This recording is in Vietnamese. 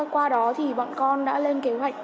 qua đó thì bọn con đã lên kế hoạch